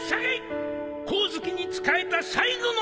光月に仕えた最後の大名が！